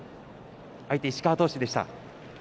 相手、石川投手でした。